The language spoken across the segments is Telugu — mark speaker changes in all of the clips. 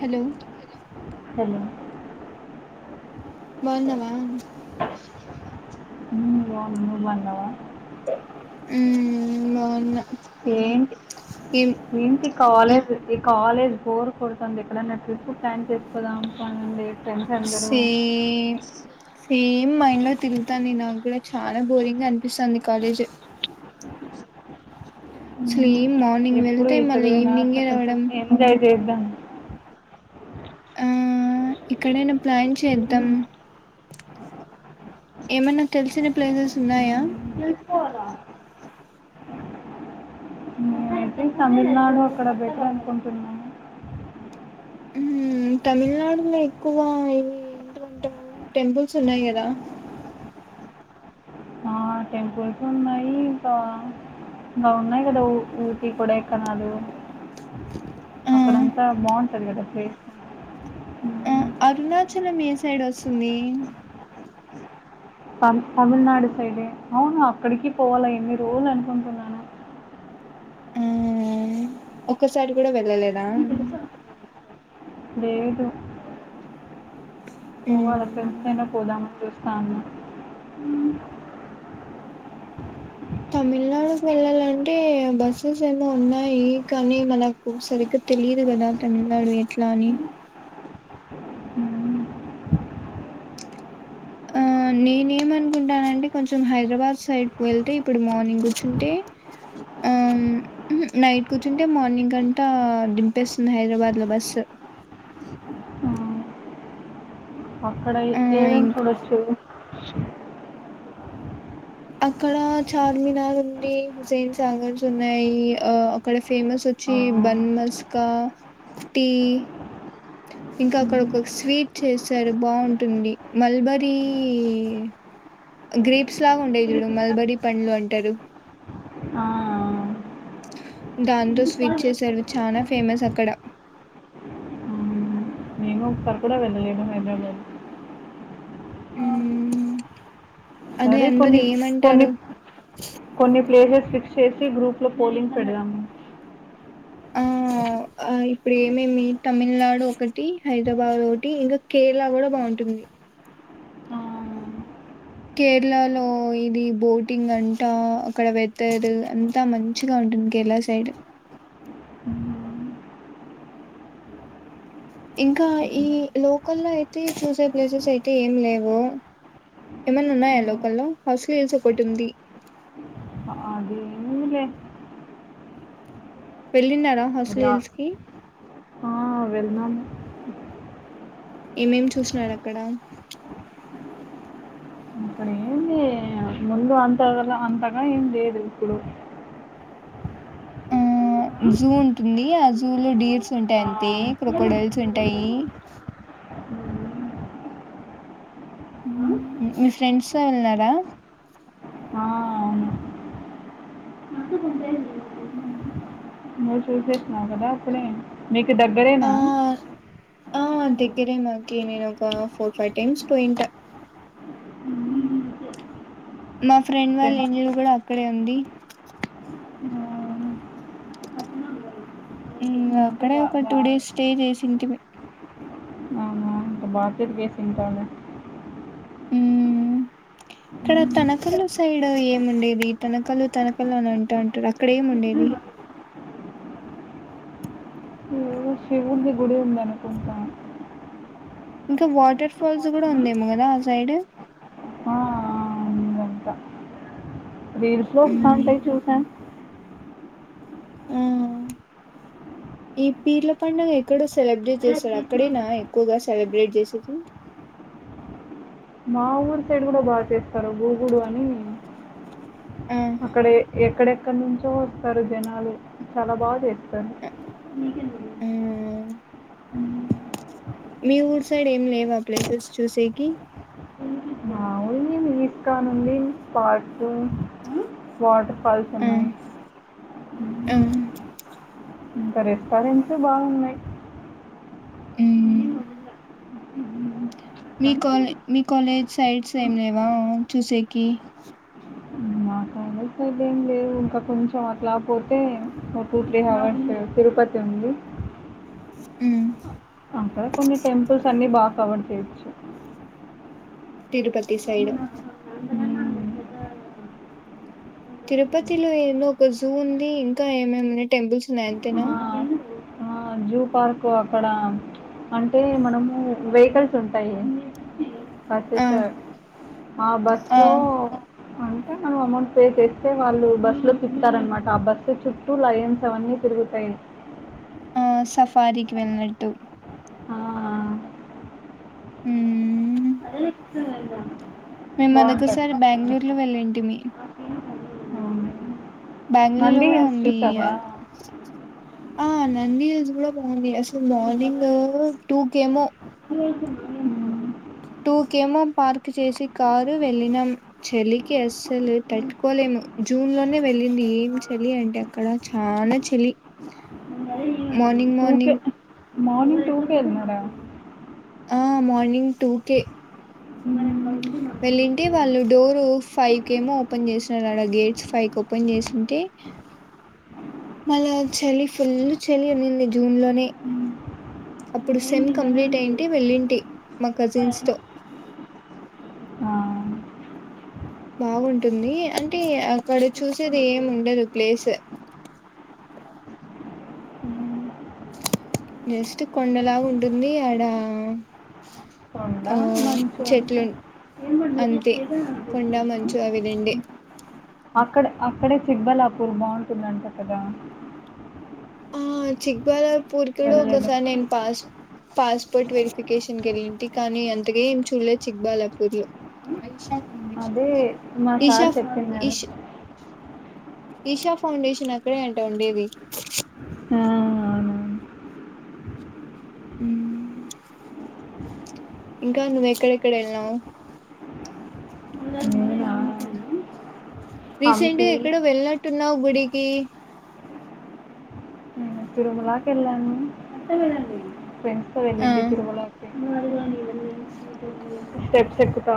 Speaker 1: హలో
Speaker 2: హలో
Speaker 1: బావున్నావా
Speaker 2: ఉమ్ బావున్నా నువ్వు బాన్నావా
Speaker 1: మ్మ్ బాగున్నా
Speaker 2: ఏంటి
Speaker 1: ఏం
Speaker 2: ఎంట్ ఈ కాలేజ్ ఈ కాలేజ్ బోర్ కొడుతుంది ఎక్కడైనా ట్రిప్ ప్లాన్ చేసి పోదాం పాండి
Speaker 1: సేమ్ సేమ్ మైండ్ లో తిరుగుతాంది నాకు కూడా చాలా బోరింగ్ గా అనిపిస్తాంది కాలేజ్ అసలు ఏం మార్నింగ్
Speaker 2: ఎప్పుడు
Speaker 1: వెళ్తే
Speaker 2: ఈ
Speaker 1: మళ్ళీ
Speaker 2: చదువే నా అట్ల
Speaker 1: ఈవినింగే
Speaker 2: కొంచం
Speaker 1: రావడం
Speaker 2: ఎంజాయ్ వేద్దాం
Speaker 1: ఆ ఇక్కడైనా ప్లాన్ చేద్దాం ఏమన్నా తెలిసిన ప్లేసెస్ ఉన్నాయా
Speaker 2: నేను తమిళనాడు అక్కడ బెట్టర్ అనుకుంటున్నా
Speaker 1: ఉమ్ తమిళనాడులో ఎక్కువ ఇది ట టెంపుల్స్ ఉన్నాయి కదా
Speaker 2: ఆ టెంపూల్స్ ఉన్నాయి ఇంకా బాగున్నాయి కదా ఊ-ఊటీ కొడైకెనాలు
Speaker 1: ఆ
Speaker 2: అక్కడంతా బాగుంటది కదా ప్లేస్
Speaker 1: ఆ అరుణాచలం ఏ సైడ్ ఒస్తుంది.
Speaker 2: త తమిళనాడు సైడే అవును అక్కడికి పోవాళ ఎన్ని రోజులు అనుకుంటున్నాను
Speaker 1: మ్ ఒక్కసారి కూడా వెళ్ళలేదా
Speaker 2: లేేదు పోవాల ఫ్రెండ్స్
Speaker 1: ఉమ్
Speaker 2: తోనే పోదామ నీ కాని
Speaker 1: తమిళనాడుకి వెళ్ళాలంటే బస్సెస్ ఏమో ఉన్నాయి. కానీ మనకు సరిగ్గా తెలీదు కదా తమిళనాడు ఎట్లా అని
Speaker 2: మ్మ్.
Speaker 1: అ నేన్ఏమానుకుంటానంటే కొంచెం హైదరాబాద్ సైడ్ వెళ్తే ఇప్పుడు మార్నింగ్ కూర్చుంటే ఆ నైట్ కూర్చుంటే మార్నింగ్ కంతా దింపేస్తుంది. హైదరాబాద్ లో బస్సు
Speaker 2: ఆ, అక్కడ ఏ
Speaker 1: ఆ
Speaker 2: ఏమేం
Speaker 1: ఇంక్
Speaker 2: చూడొచ్చు
Speaker 1: అక్కడ చార్మినార్ ఉంది. హుస్సైన్ సాగర్స్ ఉన్నాయి. ఆ అక్కడ ఫేమస్
Speaker 2: ఆ,
Speaker 1: మీర్చి బన్ మస్కా టీ ఇంకా అక్కడ
Speaker 2: ఉమ్,
Speaker 1: ఒక స్వీట్ చేసరు బాగుంటుంది. మల్బరీ గ్రీప్స్ లాగా ఉండేవి చూడు మల్బరి పండ్లు అంటారు
Speaker 2: ఆ,
Speaker 1: దాంతో స్వీట్ చేశారు చాన ఫేమస్ అక్కడ
Speaker 2: [unintelligible] వెళ్ళలేమ [unintelligible]
Speaker 1: హ్మ్
Speaker 2: సరే కొన్ని కొన్ని కొన్ని ప్లేసెస్ ఫిక్స్ చేసి గ్రూప్ లో పోలింగ్స్ పెడదాము.
Speaker 1: ఆ ఆ ఇప్పుడు ఏమేమి తమిళనాడు ఒకటి, హైదరాబాద్ ఒకటి, ఇంకా కేరళ కూడా బాగుంటుంది.
Speaker 2: ఆ,
Speaker 1: కేరళ లో ఇది బోటింగ్ అంటా అక్కడ వెతర్ అంత మంచిగా ఉం మ్ కేరళ సైడ్
Speaker 2: మ్మ్.
Speaker 1: ఇంకా ఈ లోకల్ లో అయితే చూసే ప్లేసెస్ అయితే ఏమి లేవు. ఏమన్నా ఉన్నాయా లోకల్లో హాస్లు హిల్స్ ఒకటి ఉంది.
Speaker 2: ఆ అదేమిలే
Speaker 1: వెళ్ళిన్నారా
Speaker 2: అది
Speaker 1: హౌస్లీ
Speaker 2: రా
Speaker 1: హిల్స్ కి
Speaker 2: ఆ వెళ్లినాము
Speaker 1: ఏమేమి చూసినారు అక్కడ
Speaker 2: అక్కడ ఏంది ముందు అంతల అంతగా ఏం లేేదు ఇప్పుడు
Speaker 1: ఉ జూ ఉంటుంది. ఆ జూ లో డీర్స్ ఉంటాయి
Speaker 2: ఆ
Speaker 1: అంతే. క్రొకోడైల్స్ ఉంటాయి. మీ ఫ్రెండ్స్ వెల్ న్నారా
Speaker 2: ఆ అవును నువ్ చూసేసిన్నావు కదా అప్పుడే మీకు దగ్గరేనా
Speaker 1: ఆ ఆ దగ్గరే మాకి నేను ఒక ఫోర్ ఫైవ్ టైమ్స్ పోయింటా. మా ఫ్రెండ్ వాళ్ళ
Speaker 2: టెన్
Speaker 1: ఇల్లు కూడా అక్కడే ఉంది. మ్
Speaker 2: అంటే
Speaker 1: అక్కడే
Speaker 2: బా
Speaker 1: ఒక టూ
Speaker 2: బాగా
Speaker 1: డేస్ స్టే చేసి ఇంటిమీ
Speaker 2: మార్కెట్ చేస్తు ఉంటాను
Speaker 1: ఉమ్ ఇక్కడ తనకల్లు సైడ్ ఏముండేది తనకల్లు తనకల్లు అని అంటాంటారు అక్కడ ఏముండేది
Speaker 2: ఉంది గుడి ఉందనుకుంటా
Speaker 1: ఇంకా వాటర్ ఫాల్స్ కూడా ఉందేమో కదా ఆ సైడ్
Speaker 2: ఆ, రీల్స్ లో వస్తా ఉంటే చూసాన్
Speaker 1: ఆ ఈ పీర్ల పండుగ ఎక్కడో సెలబ్రేట్ చేస్తారూ, అక్కడేనా ఎక్కువగా సెలబ్రేట్ చేసేది.
Speaker 2: మా ఊరు సైడ్ కూడా బాగా చేస్తారు గుగుడు అని
Speaker 1: ఆ
Speaker 2: అక్కడ ఎ-ఎక్కడెక్కడ నుంచో వస్తారు జనాలు చాలా బాగా చేస్
Speaker 1: ఆ ఆ మీ ఊరు సైడ్ ఏం లేవు ప్లేసెస్ చూసేకి
Speaker 2: మామూలుగా ఇస్కాన్ ఉంది ఫాట్టు వాటర్ ఫాల్స్
Speaker 1: ఆ
Speaker 2: ఉన్నాయి
Speaker 1: ఆ
Speaker 2: ఇంకా రెస్టారెంట్స్ బాగున్నాయి
Speaker 1: ఉమ్
Speaker 2: మ్మ్.
Speaker 1: మీ
Speaker 2: కానీ
Speaker 1: కాల్ మీ కాలేజ్ సైడ్స్ ఏం లేవా చూసేకి
Speaker 2: మ సైడ్ ఏం లేవు ఇంకా కొంచెం అట్లా పోతే ఒక టూ త్రీ అవర్స్ తిరుపతి ఉంది
Speaker 1: మ్
Speaker 2: అక్కడ కొన్ని టెంపుల్స్ అన్ని బాగా కవర్ చేయొచ్చు
Speaker 1: తిరుపతి సైడ్ తిరుపతిలో ఏదో ఒక జూ ఉంది ఇంకా ఏమేమున్నాయి టెంపుల్స్ ఉన్నాయి
Speaker 2: ఆ!
Speaker 1: అంతేనా
Speaker 2: ఆ! జూ పార్క్ అక్కడ అంటే మనము వెహికల్స్ ఉంటాయి
Speaker 1: ఆ
Speaker 2: బస్సెస్ ఆ బస్
Speaker 1: ఆ
Speaker 2: లో అ మనం అమౌంట్ పే చేస్తే వాళ్ళు బస్సు లో తిప్తారనమాట ఆ బస్సు చుట్టూ లైయెన్స్ అవన్నీ తిరుగుతాయి
Speaker 1: ఆ సఫారీకి వెళ్ళినట్టు
Speaker 2: ఆ!
Speaker 1: మ్ మేం అదోకసారి
Speaker 2: బావుంటది.
Speaker 1: బెంగళూరు లో వెళ్ళింటిమి
Speaker 2: అవును.
Speaker 1: బెంగళూరు లో
Speaker 2: నంది
Speaker 1: కూడా
Speaker 2: హిల్స్
Speaker 1: ఉంది
Speaker 2: చూసావా?
Speaker 1: అద్ ఆ నంది హిల్స్ కూడా బాగుంది అసలు మార్నింగ్ టూకేమో
Speaker 2: హ్మ్.
Speaker 1: టూ కెమా పార్క్ చేసి కారు వెళ్ళినాం చెలికి అస్సలు తట్టుకోలేము జూన్ లోనే వెళ్ళింది ఏం చలి అంటే అక్కడ చాలా చలి
Speaker 2: మరి
Speaker 1: మార్నింగ్ మార్నింగ్
Speaker 2: మార్నింగ్ టూ కే ఎల్లినర
Speaker 1: ఆ మార్నింగ్ టూకె వెళ్ళింటే వాళ్ళు డోర్ ఫైవ్ కేమో ఓపెన్ చేసినారు అడ గేట్స్ ఫైవ్క్ ఓపెన్ చేసింటే మల్ల చలి ఫుల్ చలి ఉనింది జూన్ లోనే అప్పుడు సెమ్ కంప్లీట్ అయింటె వెళ్ళింటి మా కజిన్స్ తో
Speaker 2: ఆ!
Speaker 1: బాగుంటుంది అంటే అక్కడ చూసేది ఏం ఉండదు ప్లేస్
Speaker 2: హ్మ్.
Speaker 1: జస్ట్ కొండలాగా ఉంటుంది ఆడా
Speaker 2: కొండ మంచు అంతా
Speaker 1: అంతే కొండా మంచు అవిరెండే
Speaker 2: అక్కడ అక్కడే చిక్బల్లాపూర్ బాగుంటుందంట కదా
Speaker 1: ఆ చిక్బాలాపూర్ కూడా
Speaker 2: వెళ్ళలేదు
Speaker 1: ఒకసార్ నేను పాస్ పాస్పోర్ట్ వెరిఫికేషన్కి వెళ్ళింటి కానీ అంతగా ఏం చూడలేదు చిక్బాలాపూర్ లో
Speaker 2: అదే మా
Speaker 1: ఈషా
Speaker 2: సార్
Speaker 1: ఫ్
Speaker 2: చెప్పినారు
Speaker 1: ఇష్ ఈషా ఫౌండేషన్ అక్కడే అంట ఉండేది
Speaker 2: ఆ,
Speaker 1: ఉమ్ ఇంకా నువ్వు ఎక్కడెక్కడ వెళ్నావు
Speaker 2: అవునవును. నేనా?
Speaker 1: రీసెంట్ గా
Speaker 2: హంపి
Speaker 1: ఎక్కడ వెళ్ళనట్టున్నావు గుడికి
Speaker 2: తిరుమలకి వెళ్ళాను ఫ్రెండ్స్ తో
Speaker 1: ఆ
Speaker 2: వెళ్ళండి తిరుమలకి స్టెప్స్ ఎక్కుతా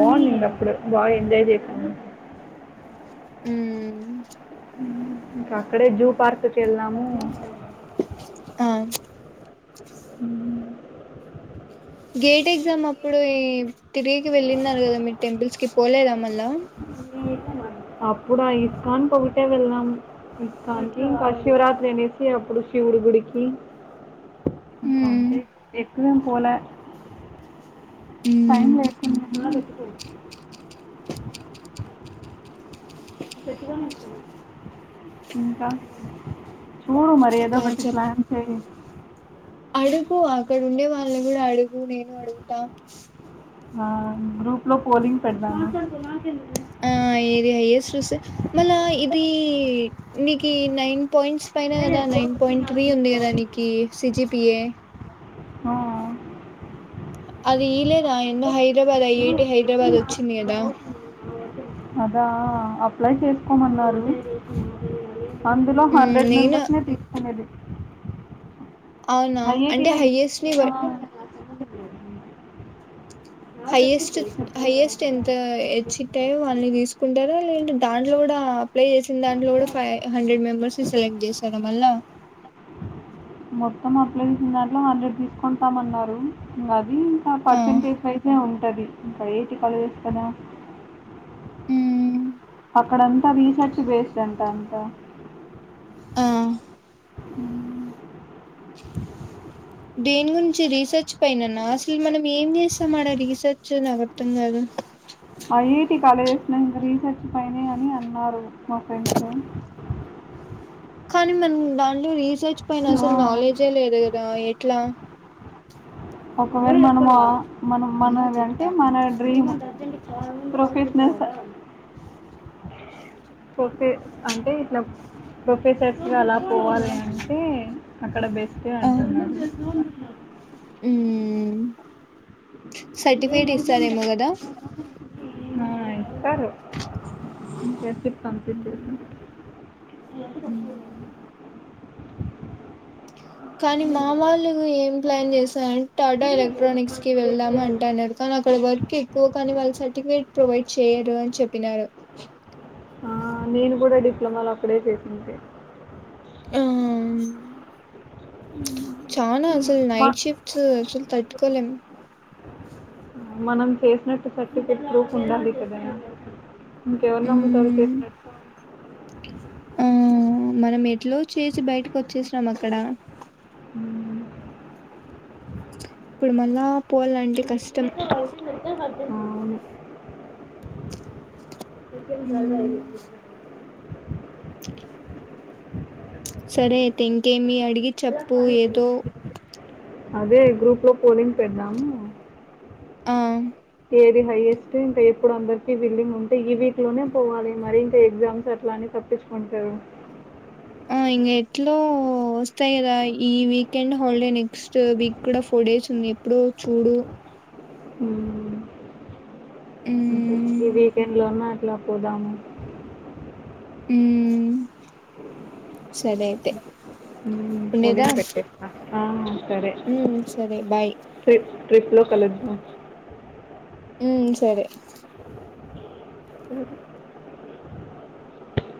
Speaker 2: బాగునింది అప్పుడు బాగా ఎంజాయ్ చేశాను
Speaker 1: మ్
Speaker 2: ఇంకా అక్కడే జూ పార్క్కి వెళ్ళినం
Speaker 1: అ గేట్ ఎగ్జామ్ అప్పుడు ఈ తిరికి వెళ్ళన్నారు కదా మీరు టెంపుల్స్ కి పోలేదా మళ్ళ
Speaker 2: అప్పుడు ఆ ఇస్కాన్ ఒకటే వెళ్ళాం. ఇస్కాన్ కి ఇంకా శివరాత్రి అనేసి అప్పుడు శివ్ శివుడు గుడికి ఇంక
Speaker 1: ఉమ్
Speaker 2: అంతే ఎక్కువేం పోలే టైం
Speaker 1: ఉమ్
Speaker 2: లేకున్లే ఇంకా చూడు మరే ఏదో
Speaker 1: ఇంకా
Speaker 2: ఒకటి
Speaker 1: చెప్
Speaker 2: ప్లాన్స్ అవి
Speaker 1: అడుగు అక్కడ ఉండే వాళ్ళు కూడా అడుగు నేను అడుగుతా.
Speaker 2: ఆ గ్రూప్ లో పోలింగ్ పెడదామా
Speaker 1: ఆ ఏది హైయట్ ఓస్ మళ్ళ ఇది నీకి నైన్ పాయింట్స్ పైన కదా నైన్ పాయింట్ త్రీ ఉంది కదా నీకి సిజిపిఏ
Speaker 2: ఆ,
Speaker 1: అది ఇలేదా ఎన్నో హైదరాబాద్ అయ్యేటి హైదరాబాద్ వచ్చింది కదా
Speaker 2: ఆదా అప్లై చేసుకోమన్నారు. అందులో
Speaker 1: ఉమ్
Speaker 2: హండ్రెడ్
Speaker 1: నేను
Speaker 2: మెంబర్స్ నే తీసుకుంది.
Speaker 1: అవునా అంటే
Speaker 2: ఐఐటీలో
Speaker 1: హయ్యెస్ట్ ని
Speaker 2: ఆ,
Speaker 1: హైయెస్ట్ హైయెస్ట్ ఎంత హేచ్చిట్టాయో అని తీసుకుంటారా లేంటే దాంట్లో కూడా అప్లై చేసిన దాంట్లో కూడా ఫైవ్ హండ్రెడ్ మెంబర్స్ సెలెక్ట్ చేసార మళ్ళ
Speaker 2: మొత్తం అప్లై చేసిన దాంట్లో హండ్రెడ్ తీసుకుంటాం. అన్నారు అది ఇంకా
Speaker 1: ఆ
Speaker 2: పర్సంటేజ్ వైస్ ఉంటది ఇంకా ఐఐటీ కాలేజేస్ కదా
Speaker 1: మ్మ్
Speaker 2: అక్కడంతా రీసెర్చ్ బేస్డ్ అంట అంతా
Speaker 1: ఆ దేని గురించి రీసెర్చ్ పైనన్న అసల్ మనం ఏం చేస్తాం. ఆడ రీసెర్చ్ నాకగర్థం కాదు
Speaker 2: ఐఐటీ కాలేజ్ లో ఇంకా రీసెర్చ్ పైనే అని అన్నారు. మా ఫ్రెండ్స్
Speaker 1: కానీ మనం దాంట్లో రీసెర్చ్ పైన అసలు నాలెడ్జే లేదు కదా ఎట్లా
Speaker 2: ఒకవేల మనమ ఒక ప్రొఫెషనల్స్
Speaker 1: [unintelligible]
Speaker 2: ప్రొఫె అంటే ఇట్లా ప్రొఫెసర్స్ ల అలా పోవాలి అంటే అక్కడ బెస్ట్ ఏ
Speaker 1: ఆ
Speaker 2: అంటున్నారు
Speaker 1: సర్టిఫికెట్ ఇస్తారేమో కదా
Speaker 2: అ ఇస్తారు జస్ట్ పంపించ్చేసి [unintelligible]
Speaker 1: కానీ మామళ్లు ఏం ప్లాన్ చేసారన్ టాటా ఎలక్ట్రానిక్స్ కి వెళ్దాం అంటాన్నారు కానీ అక్కడ వర్ ఎక్కువ కానీ వాళ్ళు సర్టిఫికేట్ ప్రొవైడ్ చెయరు అని చెప్పినారు.
Speaker 2: అ నేను కూడా డిప్లొమాలో అక్కడే చేసింటి
Speaker 1: ఆమ్ చానా అసల్
Speaker 2: మా
Speaker 1: నైట్ షిఫ్ట్స్ అసల్ తట్కోలేం
Speaker 2: మనం చేసినట్టు సర్టిఫికేట్ ప్రూఫ్ ఉండాలి కదా ఇంకెవరు నమ్ముతారు చేసినట్టుగ.
Speaker 1: ఆహ్ మనం ఎట్లో చేసి బయటకి వచ్చేసినాం అక్కడ.
Speaker 2: ఉమ్,
Speaker 1: ఇప్పుడు మళ్ళా పోవాలంటే కష్టం.
Speaker 2: అవును
Speaker 1: మ్మ్
Speaker 2: [unintelligible]
Speaker 1: సరే అయితే ఇంకేమి అడిగి చెప్పు ఏదో
Speaker 2: అదే గ్రూప్ లో పోలింగ్ పెడదామూ
Speaker 1: ఆ
Speaker 2: ఏది హైయెస్ట్ ఇంకా ఎప్పుడు అందరికీ విల్లింగ్ ఉంటే ఈ వీక్ లోనే పోవాలి. మరి ఇంకా ఎగ్జామ్స్ అట్లా అని తప్పించుకుంటారు.
Speaker 1: ఆ ఇంగ ఎట్లో వస్తాయి కదా ఈ వీకెండ్ హాలిడే నెక్స్ట్ వీక్ కూడా ఫోర్ డేస్ ఉంది. ఇప్పుడు చూడు.
Speaker 2: ఉమ్.
Speaker 1: ఉమ్.
Speaker 2: ఓకే. ఈ వీకెండ్లోన అట్లా పోదాము.
Speaker 1: ఉమ్ సరే అయితే.
Speaker 2: ఉమ్
Speaker 1: ఉండేదా
Speaker 2: పోలింగ్ పెట్టేస్త.
Speaker 1: మ్మ్ సరే బాయ్
Speaker 2: ట్రిప్ లో కలుద్దాం.
Speaker 1: ఉమ్ సరే.